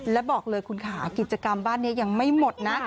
และบอกเลยคุณค่ะกิจกรรมบ้านนี้ยังไม่หมดนะ